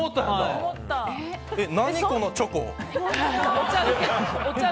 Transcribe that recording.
何、このチョコ。